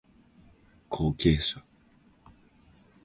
後継者